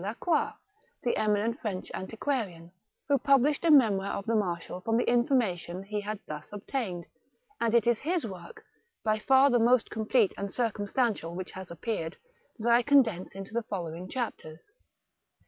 Lacroix, the eminent French antiquarian, who published a memoir of the marshal from the information he had thus obtained, and it is his work, by far the most complete and circumstantial which has appeared, that I condense into the following chapters.